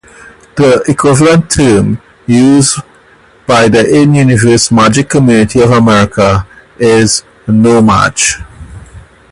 The equivalent term used by the in-universe magic community of America is No-Maj.